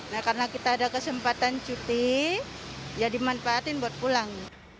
nah karena kita ada kesempatan cuti ya dimanfaatin buat pulang